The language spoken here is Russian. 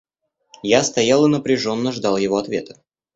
Я стоял и напряженно ждал его ответа.